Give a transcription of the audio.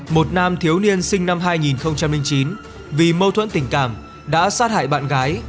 một nam thiếu niên sinh năm hai nghìn chín vì mâu thuẫn tình cảm đã sát hại bạn gái